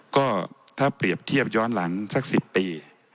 ก็ถ้าเปรียบเทียบย้อนหลังสัก๑๐ปี